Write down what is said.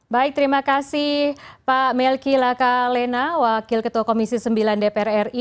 baik terima kasih pak melki laka lena wakil ketua komisi sembilan dpr ri